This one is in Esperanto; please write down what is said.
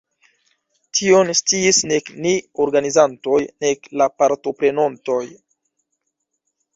Tion sciis nek ni organizantoj, nek la partoprenontoj.